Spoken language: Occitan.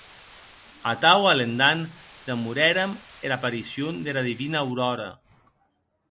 Atau, alendant, demorèrem era aparicion dera divina Auròra.